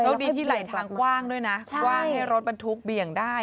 ก็ดีที่ไหลทางกว้างด้วยนะกว้างให้รถบรรทุกเบี่ยงได้